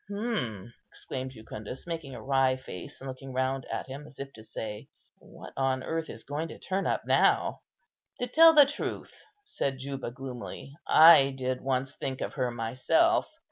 "Hm!" exclaimed Jucundus, making a wry face and looking round at him, as if to say, "What on earth is going to turn up now?" "To tell the truth," said Juba, gloomily, "I did once think of her myself.